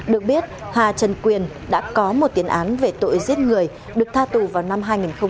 được biết hà trần quyền đã có một tiền án về tội giết người được tha tù vào năm hai nghìn một mươi